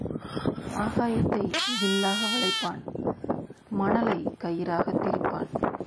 ஆகாயத்தை வில்லாக வளைப்பான் மனலைக் கயிறாகத் திரிப்பான்.